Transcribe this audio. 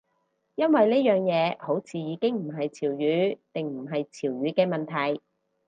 因為呢樣嘢好似已經唔係潮語定唔係潮語嘅問題